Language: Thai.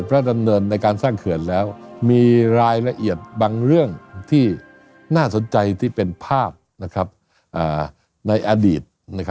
รายละเอียดบางเรื่องที่น่าสนใจที่เป็นภาพในอดีต